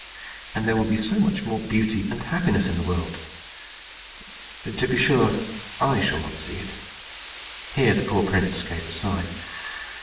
And there will be so much more beauty and happiness in the world! To be sure, I shall not see it." (Here the poor prince gave a sigh.)